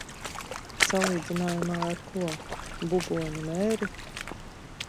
Salīdzinājumā ar ko? Buboņu mēri?